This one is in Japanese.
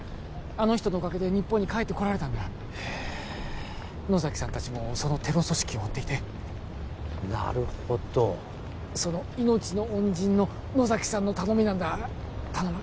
あの人のおかげで日本に帰ってこられたんだへえ野崎さん達もそのテロ組織を追っていてなるほどその命の恩人の野崎さんの頼みなんだ頼む